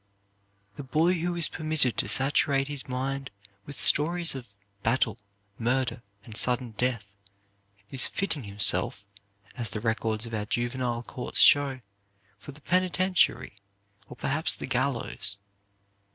"The boy who is permitted to saturate his mind with stories of 'battle, murder, and sudden death,' is fitting himself, as the records of our juvenile courts show, for the penitentiary or perhaps the gallows.